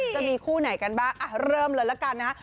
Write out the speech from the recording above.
จะมีคู่ไหนกันบ้างเริ่มเลยละกันนะฮะ